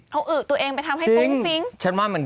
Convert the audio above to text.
เอาอึกตัวเองไปทำให้ฟุ้งฟิ้ง